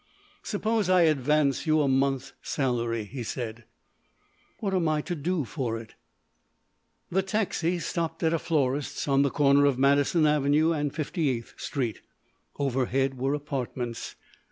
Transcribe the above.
"Suppose I advance you a month's salary?" he said. "What am I to do for it?" The taxi stopped at a florist's on the corner of Madison Avenue and 58th Street. Overhead were apartments.